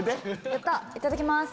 やったいただきます！